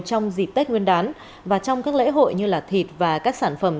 trong dịp tết nguyên đán và trong các lễ hội như thịt và các sản phẩm